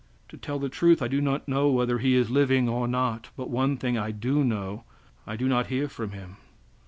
To tell the truth, I do not know whether he is living or not. But one thing I do know, I do not hear from him.